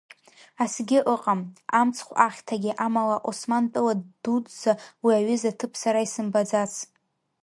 Асгьы ыҟам, амцхә ахьҭагьы, амала Османтәыла дуӡӡа уи аҩыза аҭыԥ сара исымбаӡац…